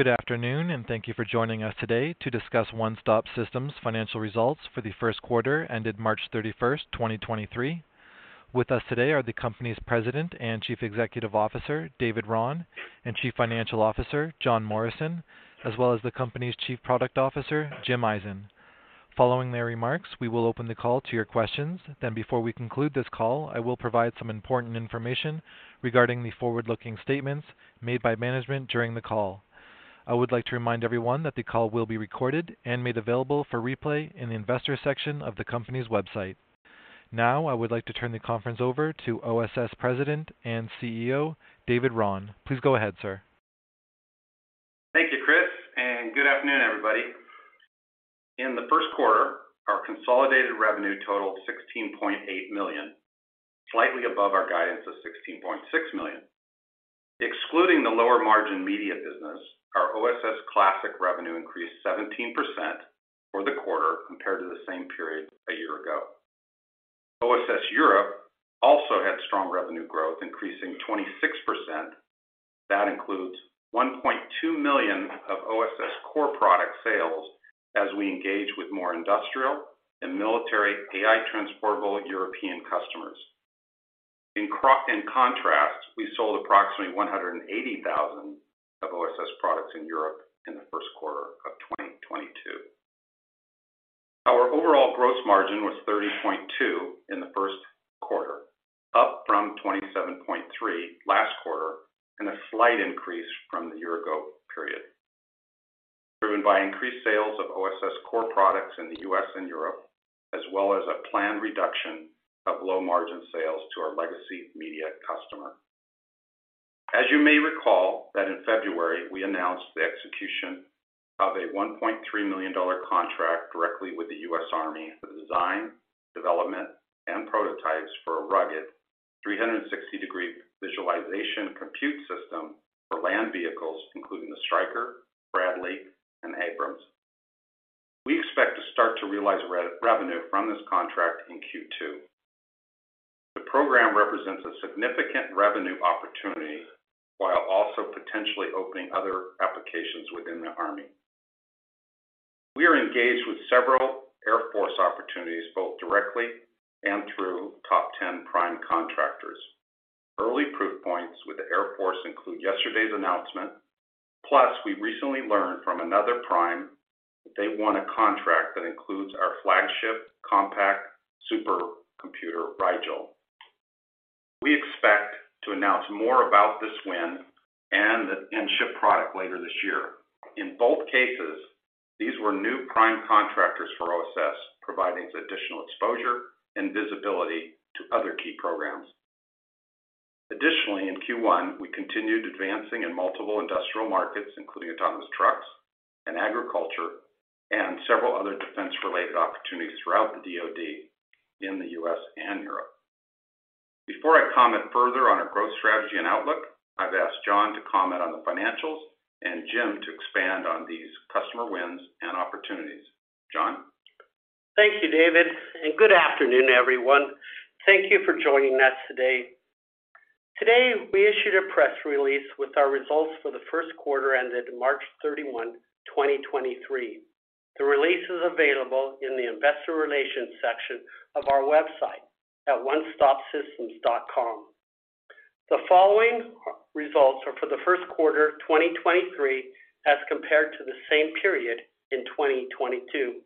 Good afternoon, and thank you for joining us today to discuss One Stop Systems financial results for the first quarter ended March 31st, 2023. With us today are the company's President and Chief Executive Officer, David Raun, and Chief Financial Officer, John Morrison, as well as the company's Chief Product Officer, Jim Ison. Following their remarks, we will open the call to your questions. Then before we conclude this call, I will provide some important information regarding the forward-looking statements made by management during the call. I would like to remind everyone that the call will be recorded and made available for replay in the investor section of the company's website. Now, I would like to turn the conference over to OSS President and CEO, David Raun. Please go ahead, sir. Thank you, Chris. Good afternoon, everybody. In the first quarter, our consolidated revenue totaled $16.8 million, slightly above our guidance of $16.6 million. Excluding the lower margin media business, our OSS Classic revenue increased 17% for the quarter compared to the same period a year ago. OSS Europe also had strong revenue growth, increasing 26%. That includes $1.2 million of OSS core product sales as we engage with more industrial and military AI Transportable European customers. In contrast, we sold approximately $180,000 of OSS products in Europe in the first quarter of 2022. Our overall gross margin was 30.2% in the first quarter, up from 27.3% last quarter and a slight increase from the year ago period, driven by increased sales of OSS core products in the U.S. and Europe, as well as a planned reduction of low-margin sales to our legacy media customer. You may recall that in February, we announced the execution of a $1.3 million contract directly with the U.S. Army for the design, development, and prototypes for a rugged 360-degree visualization compute system for land vehicles, including the Stryker, Bradley, and Abrams. We expect to start to realize revenue from this contract in Q2. The program represents a significant revenue opportunity while also potentially opening other applications within the Army. We are engaged with several Air Force opportunities, both directly and through top 10 prime contractors. Early proof points with the Air Force include yesterday's announcement. We recently learned from another prime that they won a contract that includes our flagship compact supercomputer, Rigel. We expect to announce more about this win and ship product later this year. In both cases, these were new prime contractors for OSS, providing additional exposure and visibility to other key programs. Additionally, in Q1, we continued advancing in multiple industrial markets, including autonomous trucks and agriculture, and several other defense-related opportunities throughout the DoD in the U.S. and Europe. Before I comment further on our growth strategy and outlook, I've asked John to comment on the financials and Jim to expand on these customer wins and opportunities. John. Thank you, David, and good afternoon, everyone. Thank you for joining us today. Today, we issued a press release with our results for the first quarter ended March 31, 2023. The release is available in the Investor Relations section of our website at onestopsystems.com. The following re-results are for the first quarter 2023 as compared to the same period in 2022.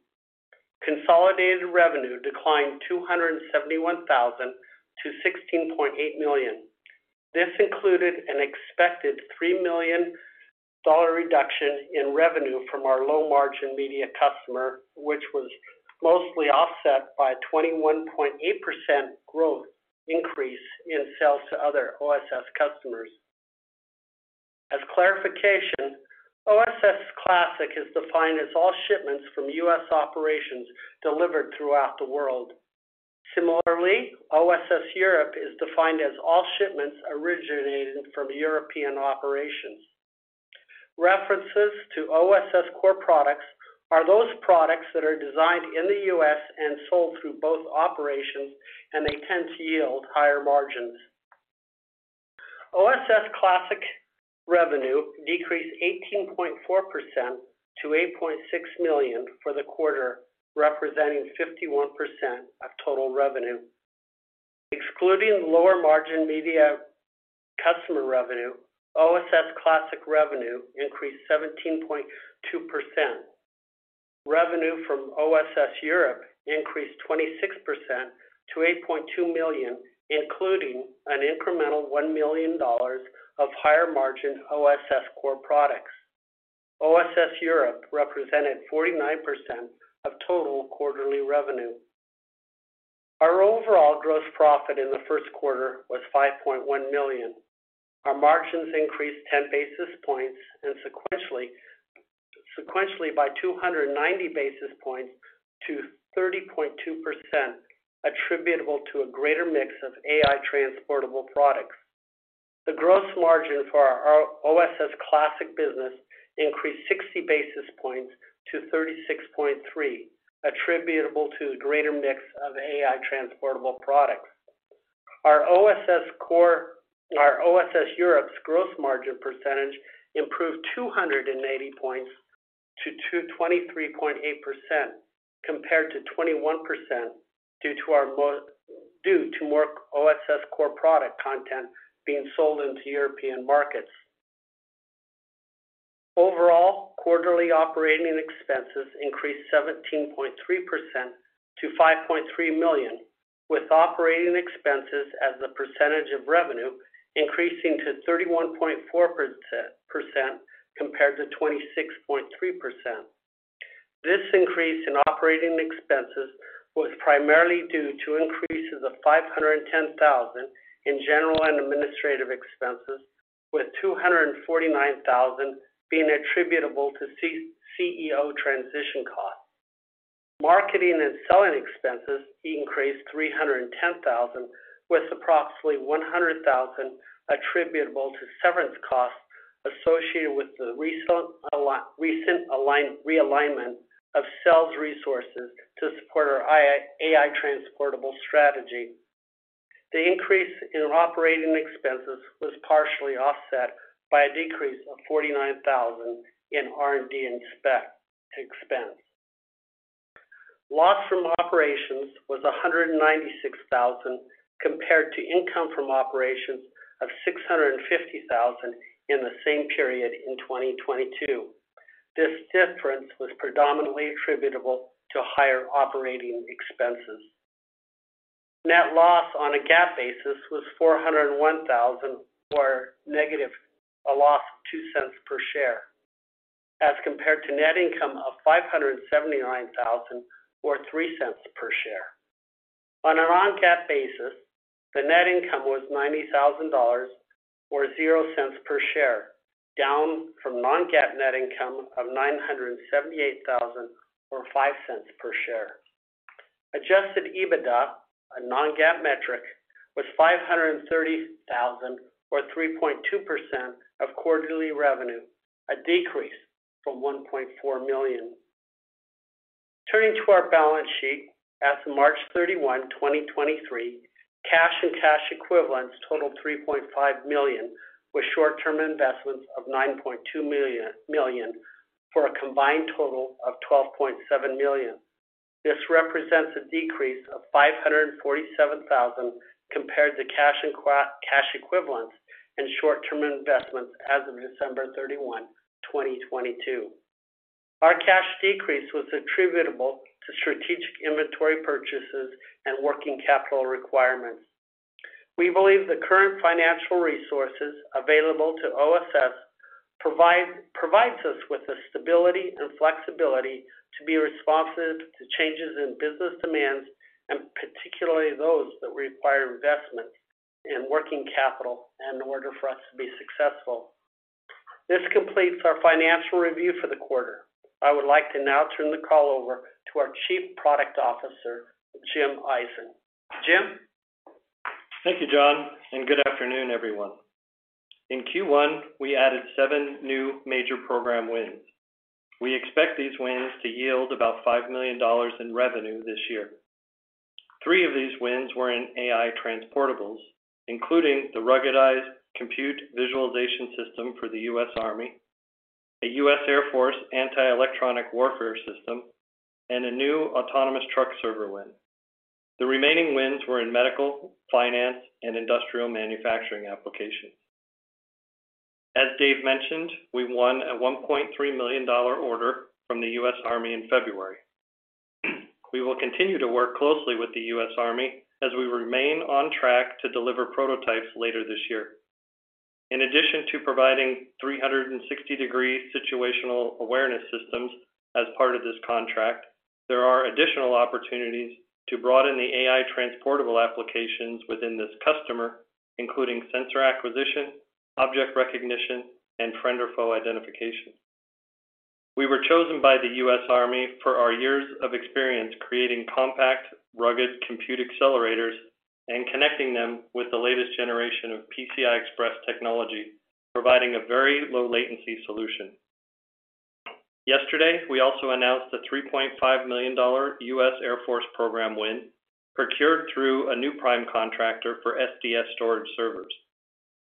Consolidated revenue declined $271,000-$16.8 million. This included an expected $3 million reduction in revenue from our low-margin media customer, which was mostly offset by a 21.8% growth increase in sales to other OSS customers. As clarification, OSS Classic is defined as all shipments from U.S. operations delivered throughout the world. Similarly, OSS Europe is defined as all shipments originated from European operations. References to OSS core products are those products that are designed in the U.S. and sold through both operations, they tend to yield higher margins. OSS Classic revenue decreased 18.4% to $8.6 million for the quarter, representing 51% of total revenue. Excluding lower-margin media customer revenue, OSS Classic revenue increased 17.2%. Revenue from OSS Europe increased 26% to $8.2 million, including an incremental $1 million of higher-margin OSS core products. OSS Europe represented 49% of total quarterly revenue. Our overall gross profit in the first quarter was $5.1 million. Our margins increased 10 basis points and sequentially by 290 basis points to 30.2% attributable to a greater mix of AI Transportable products. The gross margin for our OSS Classic business increased 60 basis points to 36.3%, attributable to the greater mix of AI Transportable products. Our OSS core, our OSS Europe's gross margin percentage improved 280 basis points to 23.8% compared to 21% due to more OSS core product content being sold into European markets. Quarterly OpEx increased 17.3% to $5.3 million, with OpEx as a percentage of revenue increasing to 31.4% compared to 26.3%. This increase in OpEx was primarily due to increases of $510,000 in general and administrative expenses, with $249,000 being attributable to CEO transition costs. Marketing and selling expenses increased $310,000, with approximately $100,000 attributable to severance costs associated with the recent realignment of sales resources to support our AI Transportable strategy. The increase in operating expenses was partially offset by a decrease of $49,000 in R&D and Spec expense. Loss from operations was $196,000 compared to income from operations of $650,000 in the same period in 2022. This difference was predominantly attributable to higher operating expenses. Net loss on a GAAP basis was $401,000, or negative a loss of $0.02 per share, as compared to net income of $579,000 or $0.03 per share. On a non-GAAP basis, the net income was $90,000 or $0.00 per share, down from non-GAAP net income of $978,000 or $0.05 per share. Adjusted EBITDA, a non-GAAP metric, was $530,000 or 3.2% of quarterly revenue, a decrease from $1.4 million. Turning to our balance sheet as of March 31, 2023, cash and cash equivalents totaled $3.5 million, with short-term investments of $9.2 million for a combined total of $12.7 million. This represents a decrease of $547,000 compared to cash and cash equivalents and short-term investments as of December 31, 2022. Our cash decrease was attributable to strategic inventory purchases and working capital requirements. We believe the current financial resources available to OSS provides us with the stability and flexibility to be responsive to changes in business demands, and particularly those that require investment in working capital and in order for us to be successful. This completes our financial review for the quarter. I would like to now turn the call over to our Chief Product Officer, Jim Ison. Jim? Thank you, John. Good afternoon, everyone. In Q1, we added seven new major program wins. We expect these wins to yield about $5 million in revenue this year. Three of these wins were in AI Transportables, including the ruggedized compute visualization system for the U.S. Army, a U.S. Air Force anti-electronic warfare system, and a new autonomous truck server win. The remaining wins were in medical, finance, and industrial manufacturing applications. As Dave mentioned, we won a $1.3 million order from the U.S. Army in February. We will continue to work closely with the U.S. Army as we remain on track to deliver prototypes later this year. In addition to providing 360-degree situational awareness systems as part of this contract, there are additional opportunities to broaden the AI Transportable applications within this customer, including sensor acquisition, object recognition, and friend or foe identification. We were chosen by the U.S. Army for our years of experience creating compact, rugged compute accelerators and connecting them with the latest generation of PCI Express technology, providing a very low latency solution. Yesterday, we also announced a $3.5 million U.S. Air Force program win procured through a new prime contractor for SDS storage servers.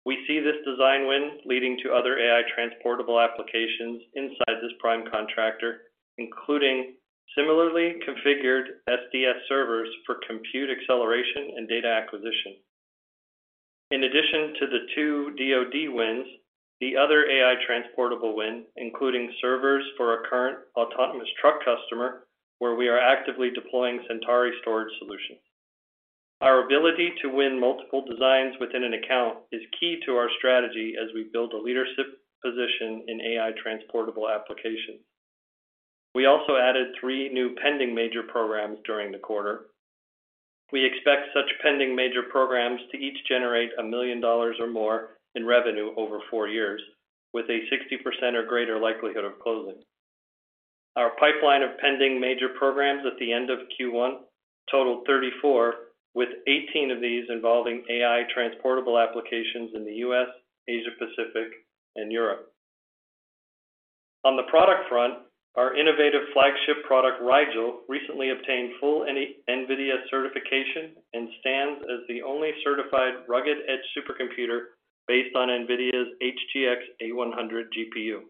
We see this design win leading to other AI Transportable applications inside this prime contractor, including similarly configured SDS servers for compute acceleration and data acquisition. In addition to the two DoD wins, the other AI Transportable win, including servers for our current autonomous truck customer, where we are actively deploying Centauri storage solutions. Our ability to win multiple designs within an account is key to our strategy as we build a leadership position in AI Transportable applications. We also added three new pending major programs during the quarter. We expect such pending major programs to each generate $1 million or more in revenue over four years, with a 60% or greater likelihood of closing. Our pipeline of pending major programs at the end of Q1 totaled 34, with 18 of these involving AI Transportable applications in the U.S., Asia Pacific, and Europe. On the product front, our innovative flagship product, Rigel, recently obtained full NVIDIA certification and stands as the only certified rugged edge supercomputer based on NVIDIA HGX A100 GPUs.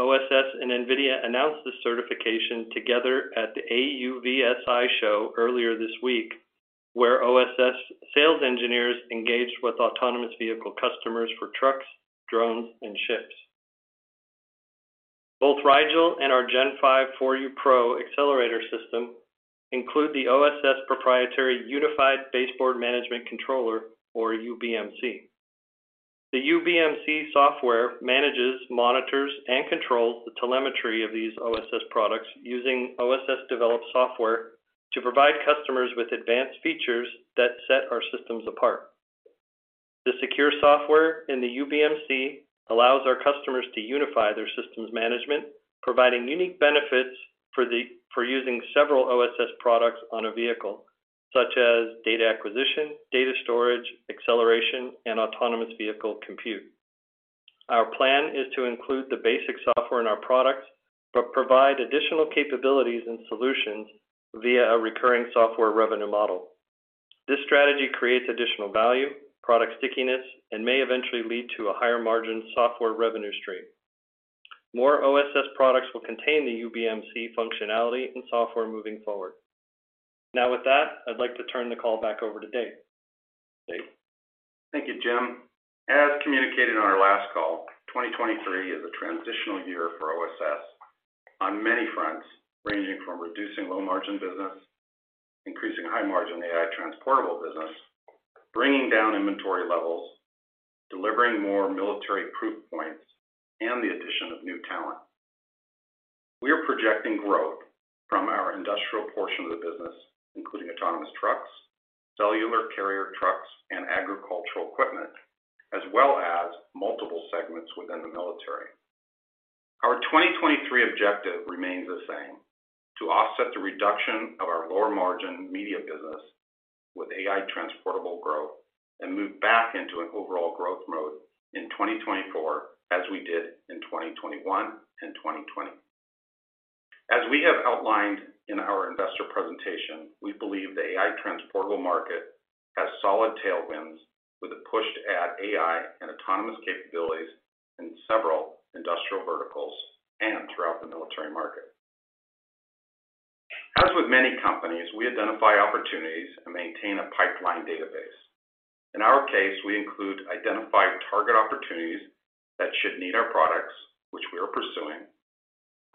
OSS and NVIDIA announced this certification together at the AUVSI Show earlier this week, where OSS sales engineers engaged with autonomous vehicle customers for trucks, drones, and ships. Both Rigel and our Gen 5 4U Pro accelerator system include the OSS proprietary Unified Baseboard Management Controller, or UBMC. The UBMC software manages, monitors, and controls the telemetry of these OSS products using OSS-developed software to provide customers with advanced features that set our systems apart. The secure software in the UBMC allows our customers to unify their systems management, providing unique benefits for using several OSS products on a vehicle, such as data acquisition, data storage, acceleration, and autonomous vehicle compute. Our plan is to include the basic software in our products, provide additional capabilities and solutions via a recurring software revenue model. This strategy creates additional value, product stickiness, and may eventually lead to a higher margin software revenue stream. More OSS products will contain the UBMC functionality and software moving forward. With that, I'd like to turn the call back over to Dave. Dave? Thank you, Jim. As communicated on our last call, 2023 is a transitional year for OSS on many fronts, ranging from reducing low-margin business, increasing high-margin AI Transportable business, bringing down inventory levels, delivering more military proof points, and the addition of new talent. We are projecting growth from our industrial portion of the business, including autonomous trucks, cellular carrier trucks, and agricultural equipment, as well as multiple segments within the military. Our 2023 objective remains the same, to offset the reduction of our lower margin media business with AI Transportable growth and move back into an overall growth mode in 2024, as we did in 2021 and 2020. As we have outlined in our investor presentation, we believe the AI Transportable market has solid tailwinds with a push to add AI and autonomous capabilities in several industrial verticals and throughout the military market. As with many companies, we identify opportunities and maintain a pipeline database. In our case, we include identified target opportunities that should need our products, which we are pursuing,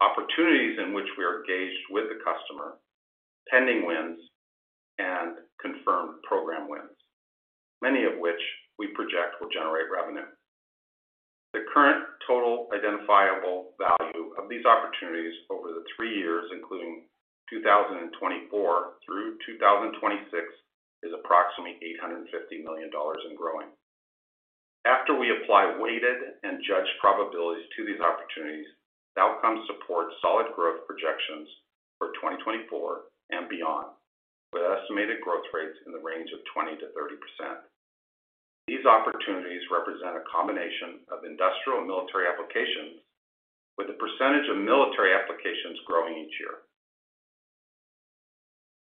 opportunities in which we are engaged with the customer, pending wins, and confirmed program wins, many of which we project will generate revenue. The current total identifiable value of these opportunities over the three years, including 2024 through 2026, is approximately $850 million and growing. After we apply weighted and judged probabilities to these opportunities, the outcome supports solid growth projections for 2024 and beyond, with estimated growth rates in the range of 20%-30%. These opportunities represent a combination of industrial and military applications, with the percentage of military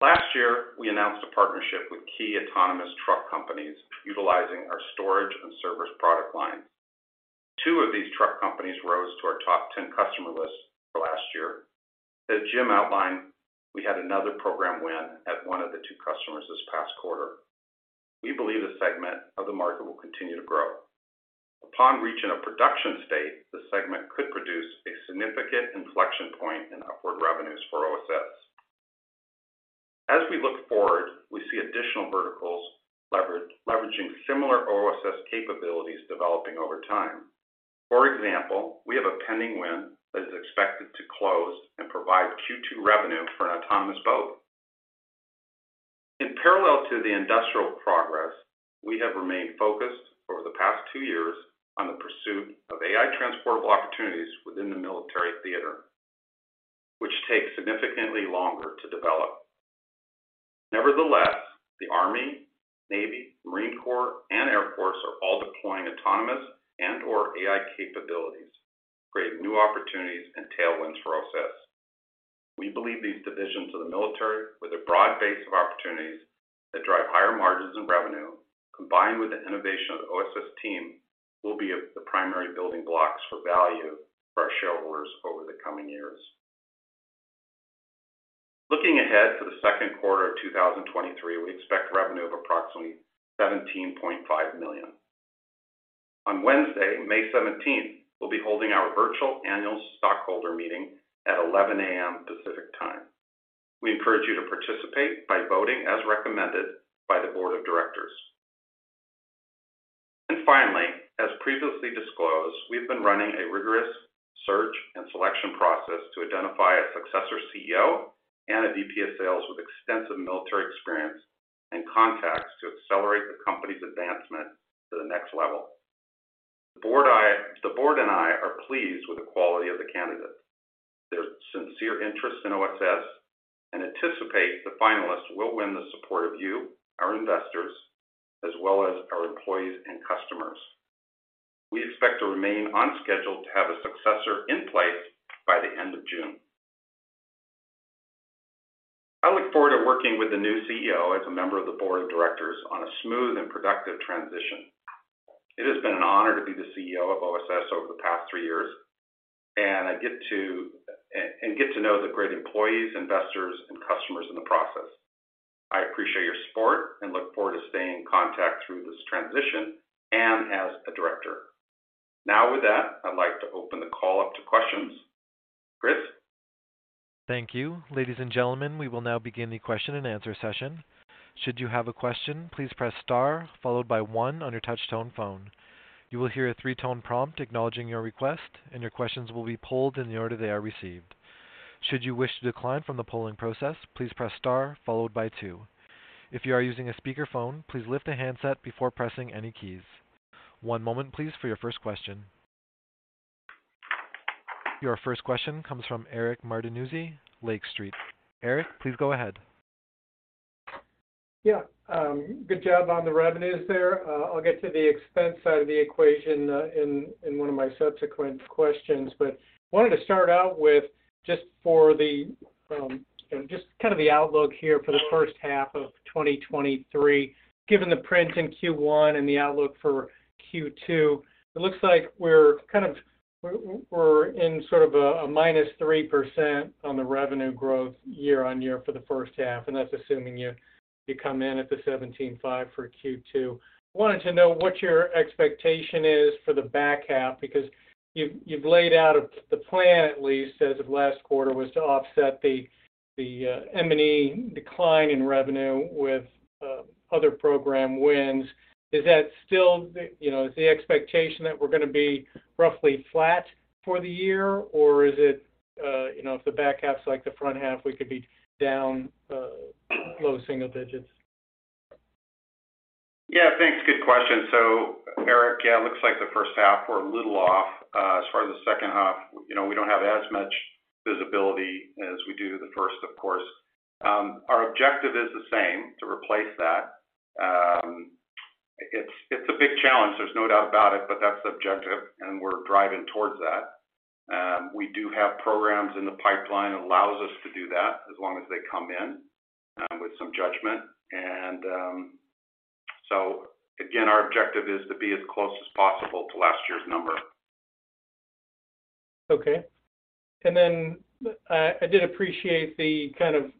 applications growing each year. Last year, we announced a partnership with key autonomous truck companies utilizing our storage and server product lines. Two of these truck companies rose to our top 10 customer list for last year. As Jim outlined, we had another program win at one of the two customers this past quarter. We believe the segment of the market will continue to grow. Upon reaching a production state, the segment could produce a significant inflection point in upward revenues for OSS. As we look forward, we see additional verticals leveraging similar OSS capabilities developing over time. For example, we have a pending win that is expected to close and provide Q2 revenue for an autonomous boat. In parallel to the industrial progress, we have remained focused over the past two years on the pursuit of AI Transportable opportunities within the military theater, which takes significantly longer to develop. Nevertheless, the Army, Navy, Marine Corps, and Air Force are all deploying autonomous and/or AI capabilities, creating new opportunities and tailwinds for OSS. We believe these divisions of the military, with a broad base of opportunities that drive higher margins and revenue, combined with the innovation of the OSS team, will be of the primary building blocks for value for our shareholders over the coming years. Looking ahead to the second quarter of 2023, we expect revenue of approximately $17.5 million. On Wednesday, May 17th, we'll be holding our virtual Annual Stockholder Meeting at 11:00 A.M. Pacific Time. We encourage you to participate by voting as recommended by the Board of Directors. Finally, as previously disclosed, we've been running a rigorous search and selection process to identify a successor CEO and a VP of Sales with extensive military experience and contacts to accelerate the company's advancement to the next level. The board and I are pleased with the quality of the candidates' sincere interest in OSS and anticipate the finalist will win the support of you, our investors, as well as our employees and customers. We expect to remain on schedule to have a successor in place by the end of June. I look forward to working with the new CEO as a member of the board of directors on a smooth and productive transition. It has been an honor to be the CEO of OSS over the past three years, and I get to know the great employees, investors, and customers in the process. I appreciate your support and look forward to staying in contact through this transition and as a director. Now, with that, I'd like to open the call up to questions. Chris? Thank you. Ladies and gentlemen, we will now begin the question and answer session. Should you have a question, please press star followed by one on your touch-tone phone. You will hear a three-tone prompt acknowledging your request, and your questions will be polled in the order they are received. Should you wish to decline from the polling process, please press star followed by two. If you are using a speakerphone, please lift the handset before pressing any keys. One moment please for your first question. Your first question comes from Eric Martinuzzi, Lake Street. Eric, please go ahead. Yeah, good job on the revenues there. I'll get to the expense side of the equation, in one of my subsequent questions. Wanted to start out with just for the, you know, just kind of the outlook here for the first half of 2023, given the print in Q1 and the outlook for Q2, it looks like we're in sort of a -3% on the revenue growth year-over-year for the first half, and that's assuming you come in at the $17.5 million for Q2. Wanted to know what your expectation is for the back half because you've laid out the plan at least as of last quarter was to offset the M&E decline in revenue with other program wins. Is that still the... You know, is the expectation that we're gonna be roughly flat for the year, or is it, you know, if the back half's like the front half, we could be down, low single digits? Yeah, thanks. Good question. Eric, yeah, it looks like the first half we're a little off. As far as the second half, you know, we don't have as much visibility as we do the first, of course. Our objective is the same, to replace that. It's a big challenge, there's no doubt about it, but that's the objective, and we're driving towards that. We do have programs in the pipeline that allows us to do that as long as they come in with some judgment. Again, our objective is to be as close as possible to last year's number. Okay. I did appreciate the kind of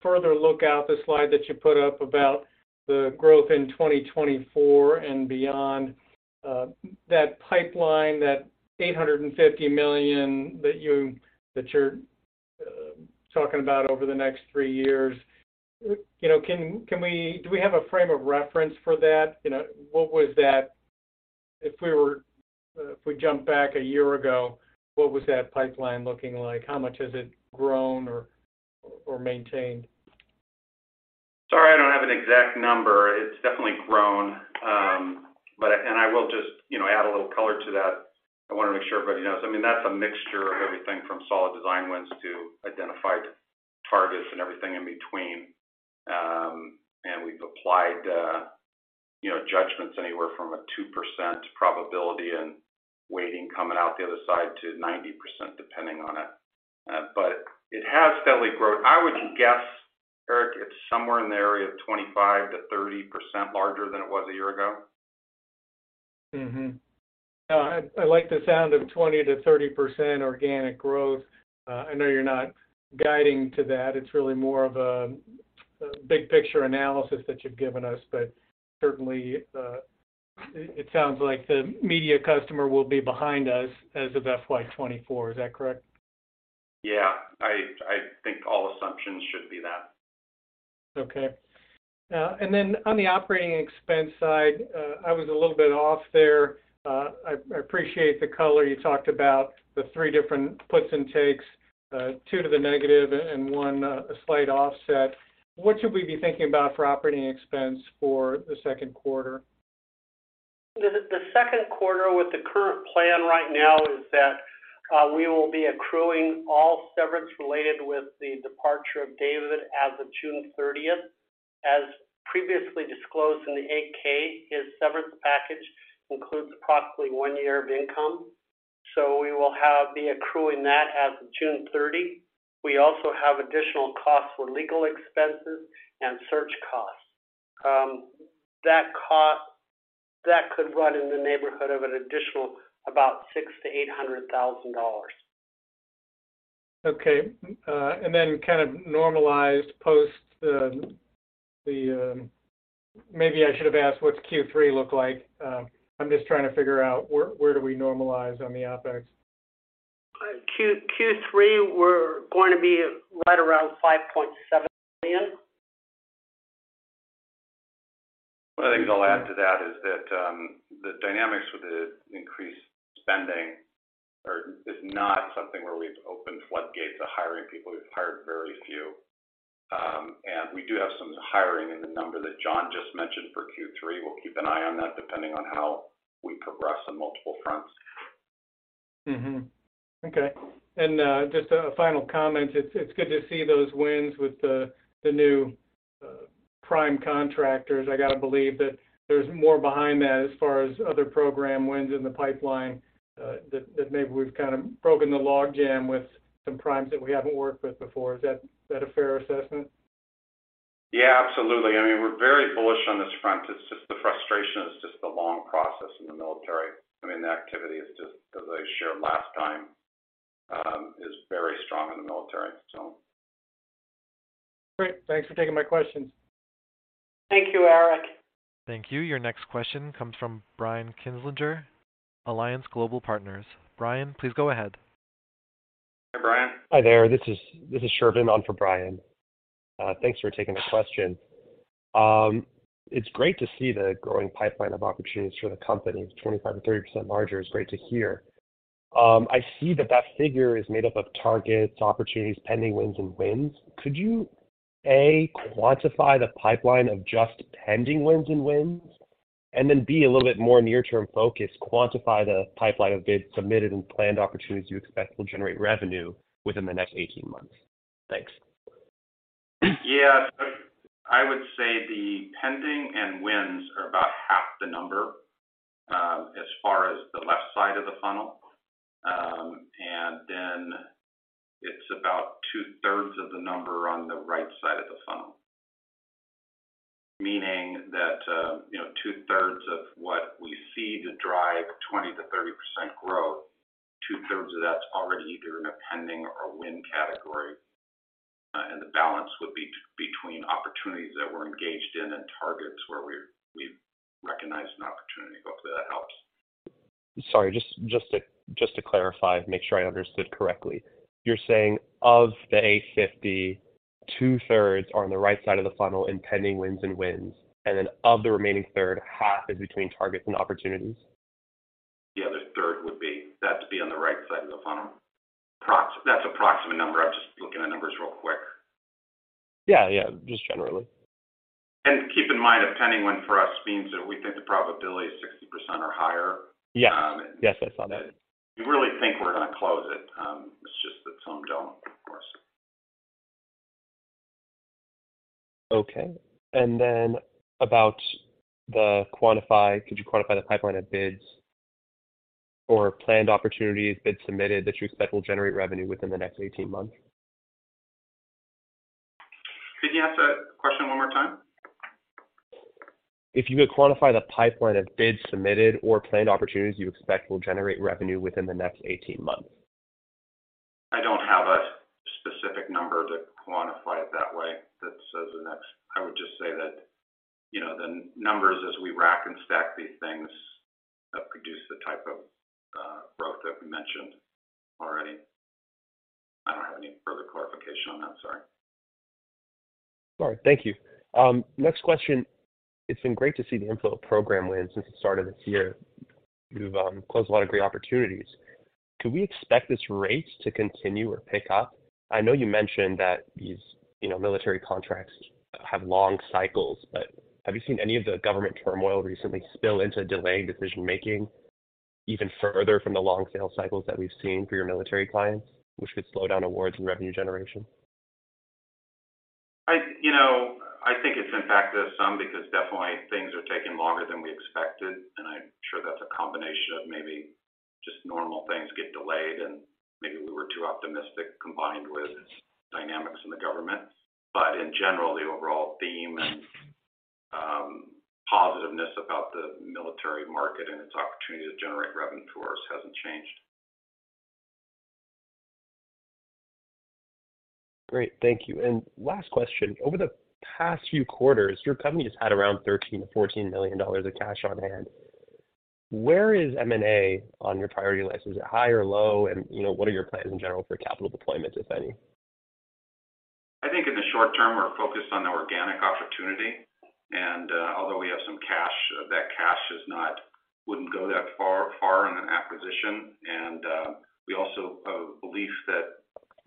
further look out the slide that you put up about the growth in 2024 and beyond. That pipeline, that $850 million that you're talking about over the next three years. You know, can we do we have a frame of reference for that? You know, if we jump back a year ago, what was that pipeline looking like? How much has it grown or maintained? Sorry, I don't have an exact number. It's definitely grown. I will just, you know, add a little color to that. I wanna make sure everybody knows. I mean, that's a mixture of everything from solid design wins to identified targets and everything in between. We've applied, you know, judgments anywhere from a 2% probability and waiting coming out the other side to 90% depending on it. It has steadily grown. I would guess, Eric, it's somewhere in the area of 25%-30% larger than it was a year ago. No, I like the sound of 20%-30% organic growth. I know you're not guiding to that. It's really more of a big picture analysis that you've given us. Certainly, it sounds like the media customer will be behind us as of FY 2024. Is that correct? Yeah. I think all assumptions should be that. Okay. On the operating expense side, I was a little bit off there. I appreciate the color. You talked about the three different puts and takes, two to the negative and one, a slight offset. What should we be thinking about for operating expense for the second quarter? The second quarter with the current plan right now is that we will be accruing all severance related with the departure of David as of June 30th. As previously disclosed in the Form 8-K, his severance package includes approximately one year of income. We will be accruing that as of June 30. We also have additional costs for legal expenses and search costs. That cost, that could run in the neighborhood of an additional about $600,000-$800,000. Okay. kind of normalized post. Maybe I should have asked what's Q3 look like? I'm just trying to figure out where do we normalize on the OpEx. Q3, we're going to be right around $5.7 million. One of the things I'll add to that is that, the dynamics with the increased spending is not something where we've opened floodgates to hiring people. We've hired very few and we do have some hiring in the number that John just mentioned for Q3. We'll keep an eye on that depending on how we progress on multiple fronts. Okay. Just a final comment. It's good to see those wins with the new prime contractors. I gotta believe that there's more behind that as far as other program wins in the pipeline that maybe we've kind of broken the log jam with some primes that we haven't worked with before. Is that a fair assessment? Yeah, absolutely. I mean, we're very bullish on this front. It's just the frustration is just the long process in the military. I mean, the activity is just, as I shared last time, is very strong in the military, so. Great. Thanks for taking my questions. Thank you, Eric. Thank you. Your next question comes from Brian Kinstlinger, Alliance Global Partners. Brian, please go ahead. Hi, Brian. Hi there. This is Sherbin on for Brian. Thanks for taking the question. It's great to see the growing pipeline of opportunities for the company. 25%-30% larger is great to hear. I see that that figure is made up of targets, opportunities, pending wins, and wins. Could you, A, quantify the pipeline of just pending wins and wins, and then, B, a little bit more near term focused, quantify the pipeline of bids submitted and planned opportunities you expect will generate revenue within the next 18 months? Thanks. Yeah. I would say the pending and wins are about half the number, as far as the left side of the funnel. It's about two-thirds of the number on the right side of the funnel. Meaning that, you know, two-thirds of what we see to drive 20%-30% growth, two-thirds of that's already either in a pending or win category. The balance would be between opportunities that we're engaged in and targets where we've recognized an opportunity. Hopefully that helps. Sorry, just to clarify, make sure I understood correctly. You're saying of the 8,050, two-thirds are on the right side of the funnel in pending wins and wins, and then of the remaining third, half is between targets and opportunities? Yeah, the third would be, that's be on the right side of the funnel. That's approximate number. I'm just looking at numbers real quick. Yeah. Yeah. Just generally. Keep in mind, a pending win for us means that we think the probability is 60% or higher. Yes. Yes, I saw that. We really think we're gonna close it. It's just that some don't, of course. Okay. Then could you quantify the pipeline of bids or planned opportunities, bids submitted that you expect will generate revenue within the next 18 months? Could you ask that question one more time? If you could quantify the pipeline of bids submitted or planned opportunities you expect will generate revenue within the next 18 months. I don't have a specific number to quantify it that way that says the next. I would just say that, you know, the numbers as we rack and stack these things, produce the type of growth that we mentioned already. I don't have any further clarification on that. Sorry. All right. Thank you. Next question. It's been great to see the inflow of program wins since the start of this year. You've closed a lot of great opportunities. Could we expect this rate to continue or pick up? I know you mentioned that these, you know, military contracts have long cycles, but have you seen any of the government turmoil recently spill into delaying decision-making even further from the long sales cycles that we've seen for your military clients, which could slow down awards and revenue generation? I, you know, I think it's impacted us some because definitely things are taking longer than we expected, and I'm sure that's a combination of maybe just normal things get delayed and maybe we were too optimistic combined with dynamics in the government. In general, the overall theme and positiveness about the military market and its opportunity to generate revenue for us hasn't changed. Great. Thank you. Last question. Over the past few quarters, your company has had around $13 million-$14 million of cash on hand. Where is M&A on your priority list? Is it high or low? You know, what are your plans in general for capital deployment, if any? I think in the short term, we're focused on the organic opportunity. Although we have some cash, that cash wouldn't go that far in an acquisition. We also have a belief that,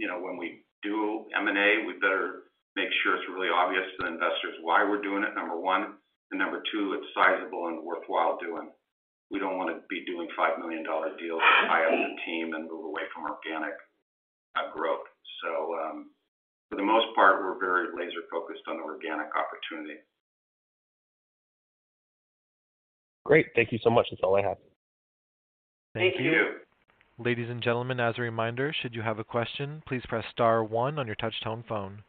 you know, when we do M&A, we better make sure it's really obvious to the investors why we're doing it, number 1, and number 2, it's sizable and worthwhile doing. We don't wanna be doing $5 million deals to tie up the team and move away from organic growth. For the most part, we're very laser-focused on organic opportunity. Great. Thank you so much. That's all I have. Thank you. Thank you. Ladies and gentlemen, as a reminder, should you have a question, please press star one on your touch tone phone.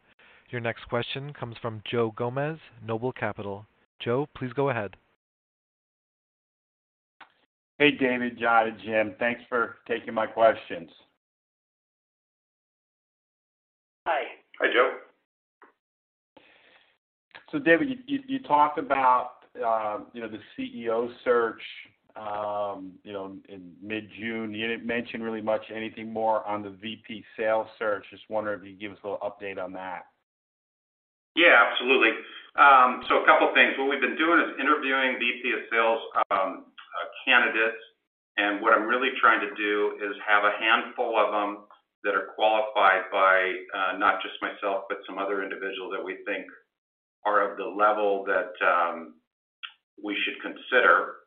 Your next question comes from Joe Gomes, Noble Capital. Joe, please go ahead. Hey, David, John, and Jim. Thanks for taking my questions. Hi. Hi, Joe. David, you talked about, you know, the CEO search, you know, in mid-June. You didn't mention really much anything more on the VP Sales search. Just wondering if you could give us a little update on that? Yeah, absolutely. A couple things. What we've been doing is interviewing VP of Sales, candidates, and what I'm really trying to do is have a handful of them that are qualified by, not just myself, but some other individual that we think are of the level that, we should consider.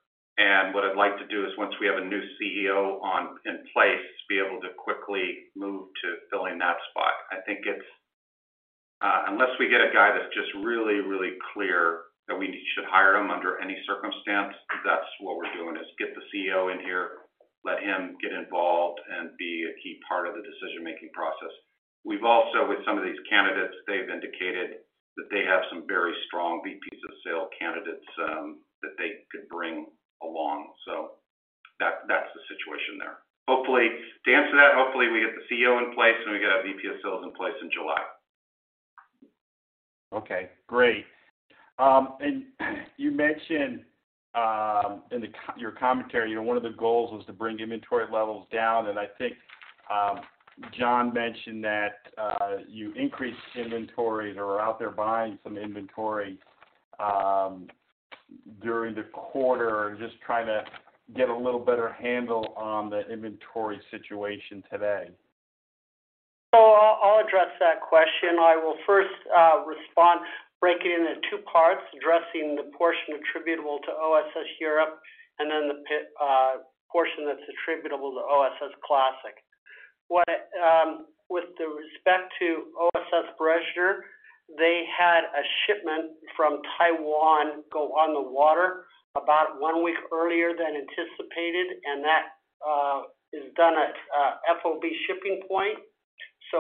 What I'd like to do is once we have a new CEO on, in place, is be able to quickly move to filling that spot. I think it's, unless we get a guy that's just really, really clear that we should hire him under any circumstance, that's what we're doing, is get the CEO in here, let him get involved and be a key part of the decision-making process. We've also, with some of these candidates, they've indicated that they have some very strong VPs of Sales candidates, that they could bring along. That's the situation there. Hopefully, to answer that, hopefully, we get the CEO in place, and we get our VP of Sales in place in July. Okay, great. You mentioned, in your commentary, you know, one of the goals was to bring inventory levels down. I think John mentioned that you increased inventories or are out there buying some inventory during the quarter just trying to get a little better handle on the inventory situation today? I'll address that question. I will first respond, break it into two parts, addressing the portion attributable to OSS Europe and then the portion that's attributable to OSS Classic. With the respect to OSS Bressner, they had a shipment from Taiwan go on the water about one week earlier than anticipated, and that is done at FOB shipping point.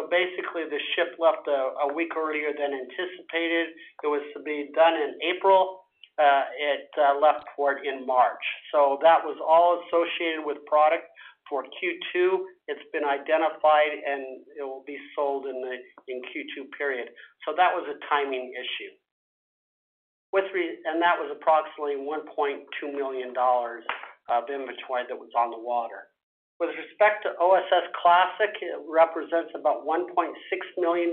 Basically, the ship left a week earlier than anticipated. It was to be done in April. It left port in March. That was all associated with product for Q2. It's been identified, and it will be sold in the Q2 period. That was a timing issue, and that was approximately $1.2 million of inventory that was on the water. With respect to OSS Classic, it represents about $1.6 million.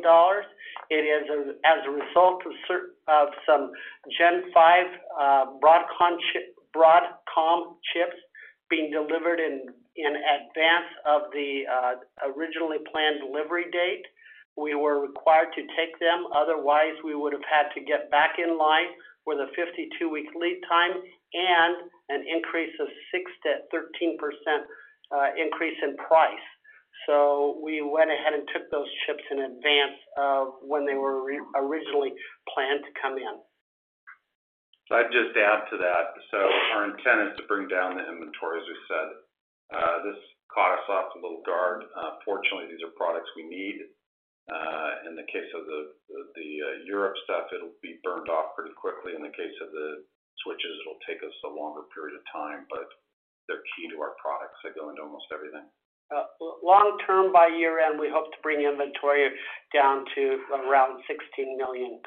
It is as a result of some Gen 5 Broadcom chips being delivered in advance of the originally planned delivery date. We were required to take them, otherwise, we would have had to get back in line with a 52-week lead time and an increase of 6%-13% increase in price. We went ahead and took those chips in advance of when they were originally planned to come in. I'd just add to that. Our intent is to bring down the inventory, as we said. This caught us off a little guard. Fortunately, these are products we need. In the case of the Europe stuff, it'll be burned off pretty quickly. In the case of the switches, it'll take us a longer period of time, but they're key to our products. They go into almost everything. Long term, by year-end, we hope to bring inventory down to around $16 million.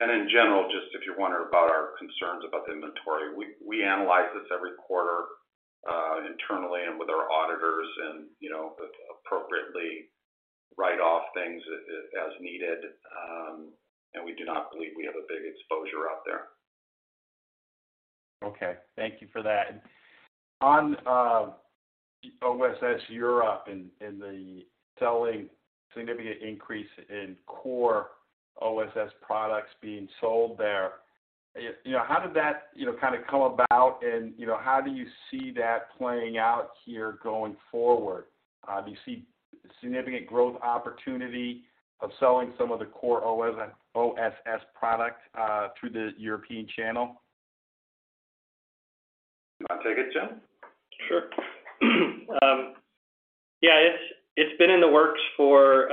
In general, just if you're wondering about our concerns about the inventory, we analyze this every quarter, internally and with our auditors and, you know, appropriately write off things as needed. We do not believe we have a big exposure out there. Okay. Thank you for that. On OSS Europe and the selling significant increase in core OSS products being sold there, you know, how did that, you know, kinda come about? You know, how do you see that playing out here going forward? Do you see significant growth opportunity of selling some of the core OSS products through the European channel? You want to take it, John? Sure. Yeah, it's been in the works for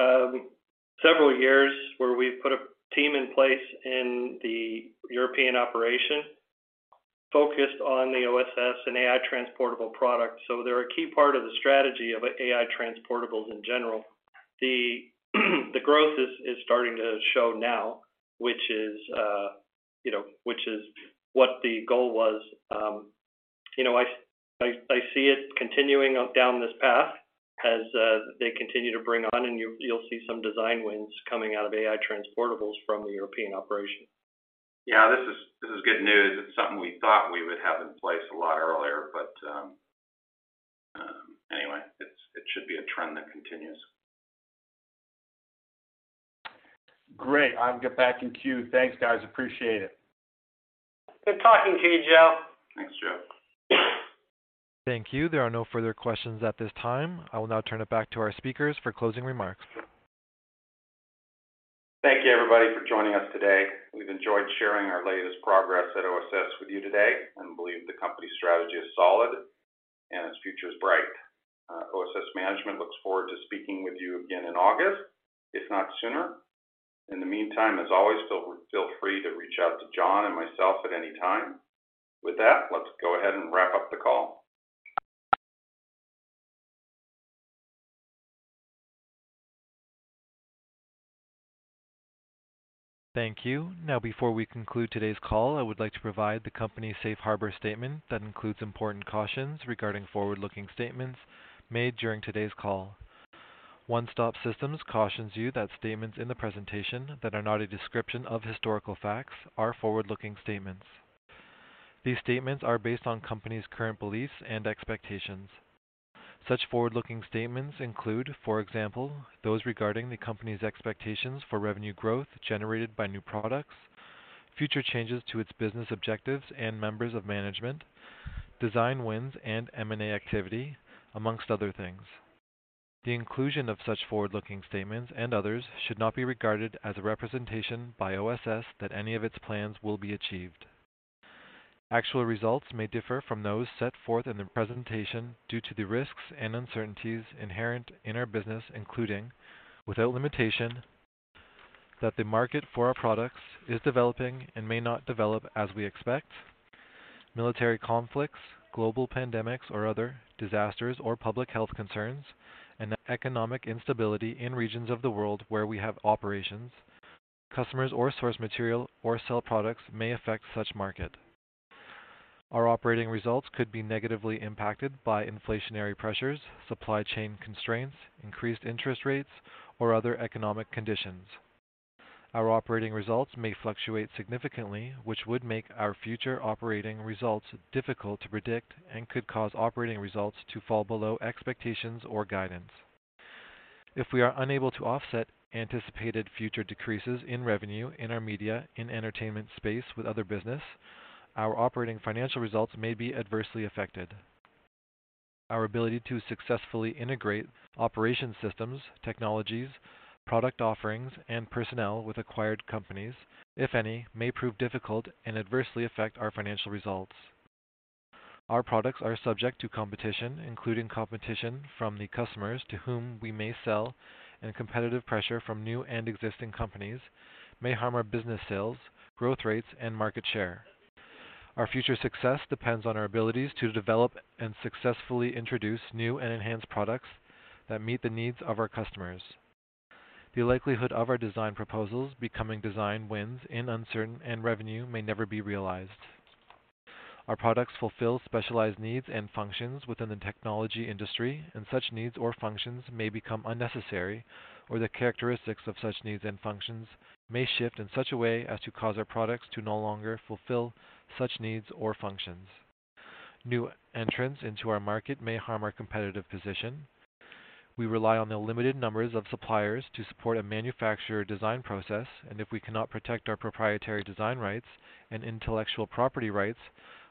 several years where we've put a team in place in the European operation focused on the OSS and AI Transportable product. They're a key part of the strategy of AI Transportables in general. The growth is starting to show now, which is, you know, which is what the goal was. You know, I see it continuing down this path as they continue to bring on, and you'll see some design wins coming out of AI Transportables from the European operation. Yeah. This is good news. It's something we thought we would have in place a lot earlier, but anyway, it should be a trend that continues. Great. I'll get back in queue. Thanks, guys. Appreciate it. Good talking to you, Joe. Thanks, Joe. Thank you. There are no further questions at this time. I will now turn it back to our speakers for closing remarks. Thank you, everybody, for joining us today. We've enjoyed sharing our latest progress at OSS with you today and believe the company strategy is solid, and its future is bright. OSS management looks forward to speaking with you again in August, if not sooner. In the meantime, as always, feel free to reach out to John and myself at any time. With that, let's go ahead and wrap up the call. Thank you. Now, before we conclude today's call, I would like to provide the company's Safe Harbor statement that includes important cautions regarding forward-looking statements made during today's call. One Stop Systems cautions you that statements in the presentation that are not a description of historical facts are forward-looking statements. These statements are based on company's current beliefs and expectations. Such forward-looking statements include, for example, those regarding the company's expectations for revenue growth generated by new products, future changes to its business objectives and members of management, design wins and M&A activity, amongst other things. The inclusion of such forward-looking statements and others should not be regarded as a representation by OSS that any of its plans will be achieved. Actual results may differ from those set forth in the presentation due to the risks and uncertainties inherent in our business, including, without limitation, that the market for our products is developing and may not develop as we expect, military conflicts, global pandemics or other disasters or public health concerns, economic instability in regions of the world where we have operations, customers or source material or sell products may affect such market. Our operating results could be negatively impacted by inflationary pressures, supply chain constraints, increased interest rates, or other economic conditions. Our operating results may fluctuate significantly, which would make our future operating results difficult to predict and could cause operating results to fall below expectations or guidance. If we are unable to offset anticipated future decreases in revenue in our media and entertainment space with other business, our operating financial results may be adversely affected. Our ability to successfully integrate operation systems, technologies, product offerings, and personnel with acquired companies, if any, may prove difficult and adversely affect our financial results. Our products are subject to competition, including competition from the customers to whom we may sell, and competitive pressure from new and existing companies may harm our business sales, growth rates, and market share. Our future success depends on our abilities to develop and successfully introduce new and enhanced products that meet the needs of our customers. The likelihood of our design proposals becoming design wins in uncertain, and revenue may never be realized. Our products fulfill specialized needs and functions within the technology industry, and such needs or functions may become unnecessary, or the characteristics of such needs and functions may shift in such a way as to cause our products to no longer fulfill such needs or functions. New entrants into our market may harm our competitive position. We rely on the limited numbers of suppliers to support a manufacturer design process, and if we cannot protect our proprietary design rights and intellectual property rights,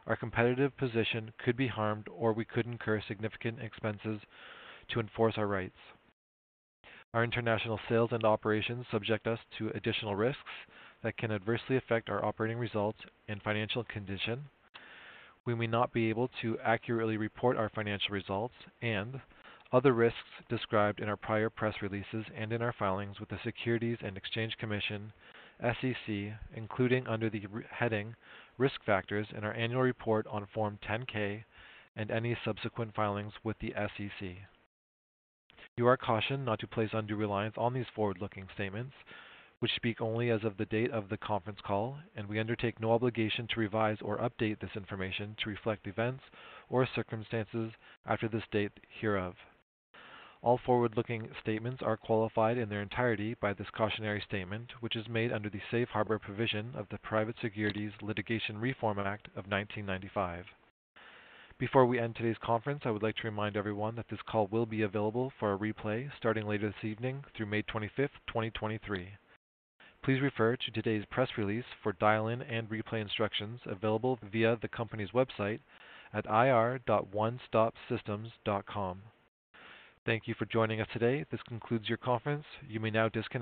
our competitive position could be harmed, or we could incur significant expenses to enforce our rights. Our international sales and operations subject us to additional risks that can adversely affect our operating results and financial condition. We may not be able to accurately report our financial results and other risks described in our prior press releases and in our filings with the Securities and Exchange Commission, SEC, including under the heading Risk Factors in our annual report on Form 10-K and any subsequent filings with the SEC. You are cautioned not to place undue reliance on these forward-looking statements, which speak only as of the date of the conference call, and we undertake no obligation to revise or update this information to reflect events or circumstances after this date hereof. All forward-looking statements are qualified in their entirety by this cautionary statement, which is made under the Safe Harbor provision of the Private Securities Litigation Reform Act of 1995. Before we end today's conference, I would like to remind everyone that this call will be available for a replay starting later this evening through May 25th, 2023. Please refer to today's press release for dial-in and replay instructions available via the company's website at ir.onestopsystems.com. Thank you for joining us today. This concludes your conference. You may now disconnect.